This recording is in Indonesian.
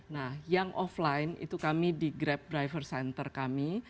nah yang offline itu kami di grab driver center kami